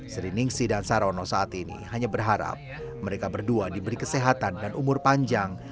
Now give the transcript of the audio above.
sri ningsi dan sarono saat ini hanya berharap mereka berdua diberi kesehatan dan umur panjang